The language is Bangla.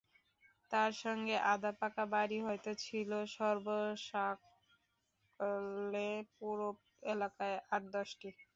তার সঙ্গে আধা পাকা বাড়ি হয়তো ছিল সর্বসাকল্যে পুরো এলাকায় আট-দশটি।